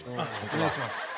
お願いします。